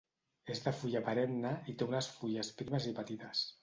És de fulla perenne i té unes fulles primes i petites